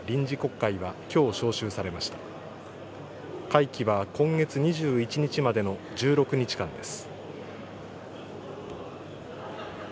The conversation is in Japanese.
会期は今月２１日までの１６日間です。